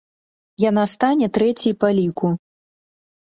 Яна стане трэцяй па ліку.